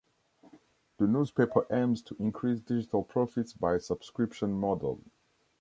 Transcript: The newspaper aims to increase digital profits via a subscription model.